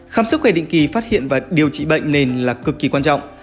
khám sức khỏe định kỳ phát hiện và điều trị bệnh nền là cực kỳ quan trọng